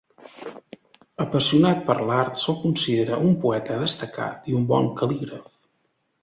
Apassionat per l'art, se'l considera un poeta destacat i un bon cal·lígraf.